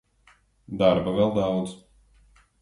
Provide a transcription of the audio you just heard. Darba vēl daudz.